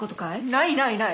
ないないない。